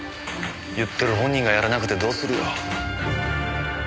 言ってる本人がやらなくてどうするよ？